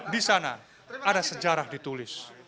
di sana ada sejarah ditulis